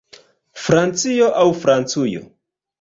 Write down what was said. Francio aŭ Francujo?